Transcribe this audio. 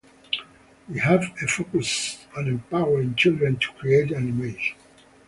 We have a focus on empowering children to create and imagine.